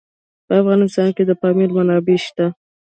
په افغانستان کې د پامیر منابع شته.